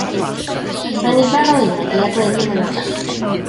Mae nifer o luniau du a gwyn yn y nofel.